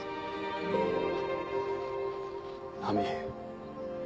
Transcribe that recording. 亜美。